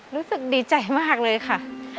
รู้สึกดีใจมากเลยค่ะ